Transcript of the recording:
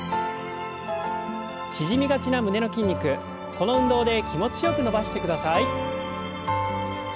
縮みがちな胸の筋肉この運動で気持ちよく伸ばしてください。